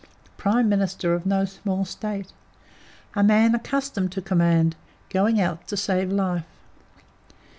Prime Minister of no small State, a man accustomed to command, going out to save life.